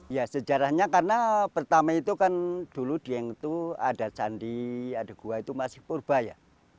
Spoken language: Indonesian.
ya sejarahnya karena pertama itu kan dulu dieng itu ada candi ada gua itu masih purba ya